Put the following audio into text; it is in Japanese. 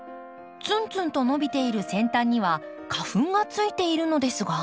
ツンツンと伸びている先端には花粉がついているのですが。